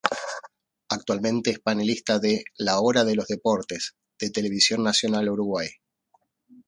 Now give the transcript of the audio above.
Actualmente es panelista en "La hora de los deportes" de Televisión Nacional Uruguay.